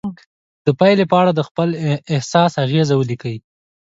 د پایلې په اړه د خپل احساس اغیز ولیکئ.